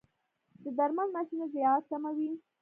د درمند ماشین ضایعات کموي؟